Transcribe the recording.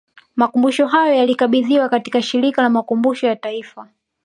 Makumbusho hayo yalikabidhiwa katika Shirika la Makumbusho ya Taifa